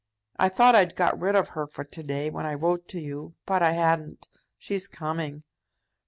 I thought I'd got rid of her for to day, when I wrote to you; but I hadn't. She's coming."